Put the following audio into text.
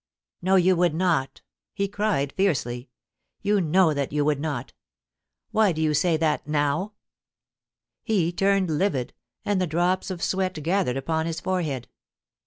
* No, you would not !' he cried fiercely. ' You know that you would not Why do you say that now f He turned livid, and the drops of sweat gathered upon his forehead.